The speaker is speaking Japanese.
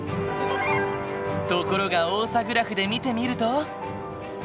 ところがオーサグラフで見てみると。